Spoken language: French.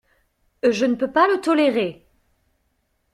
Je ne peux pas le tolérer!